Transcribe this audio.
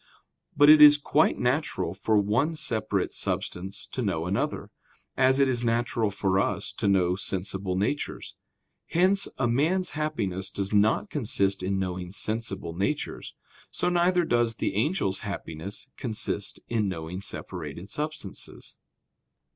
But it is quite natural for one separate substance to know another; as it is natural for us to know sensible natures. Hence, as man's happiness does not consist in knowing sensible natures; so neither does the angel's happiness consist in knowing separated substances.